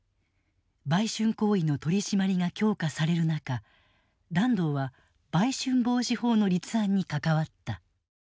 売春行為の取り締まりが強化される中團藤は売春防止法の立案に関わった。